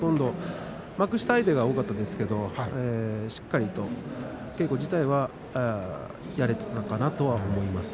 幕下相手が多かったですけどしっかりと稽古自体はやれていたのかなと思います。